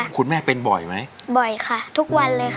คุณแม่เป็นบ่อยไหมบ่อยค่ะทุกวันเลยค่ะ